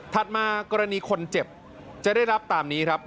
มากรณีคนเจ็บจะได้รับตามนี้ครับ